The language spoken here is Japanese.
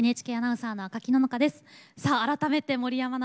ＮＨＫアナウンサーの赤木野々花です。